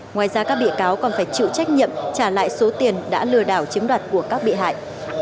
ngoài ra các bị cáo còn phải chịu trách nhiệm trả lại số tiền đã lừa đảo chiếm đoạt của các bị hại